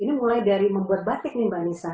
ini mulai dari membuat batik nih mbak anissa